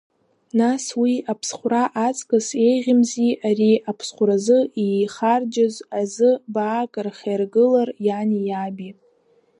Нас уи аԥсхәра аҵкыс еиӷьымзи ари аԥсхәразы иихарџьыз азы баак рхаиргылар иани иаби.